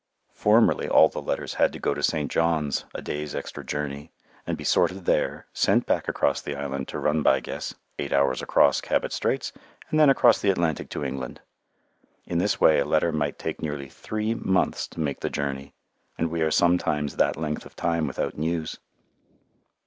Formerly all the letters had to go to St. John's, a day's extra journey, and be sorted there, sent back across the island to Run by Guess, eight hours across Cabot Straits, and then across the Atlantic to England. In this way a letter might take nearly three months to make the journey, and we are sometimes that length of time without news.